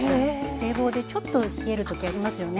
冷房でちょっと冷える時ありますよね。